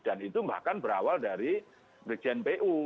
dan itu bahkan berawal dari brikjen pu